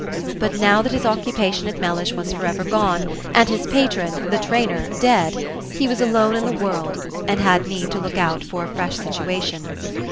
But, now that his occupation at Mellish was for ever gone, and his patron, the trainer, dead, he was alone in the world, and had need to look out for a fresh situation.